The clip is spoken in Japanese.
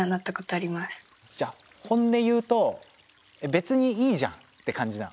じゃあ本音言うと別にいいじゃんって感じなの？